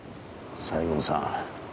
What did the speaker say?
西郷さん